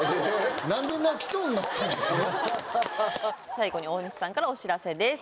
最後に大西さんからお知らせです。